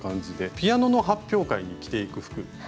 ピアノの発表会に着ていく服。